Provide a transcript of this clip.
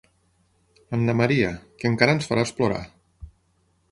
Anna Maria, que encara ens faràs plorar.